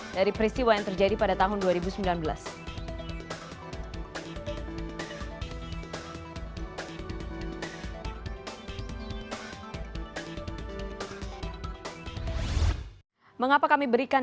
dan ini hanya sebagian